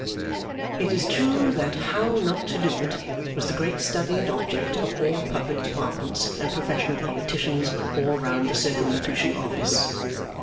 It is true that How not to do it was the great study and object of all public departments and professional politicians all round the Circumlocution Office.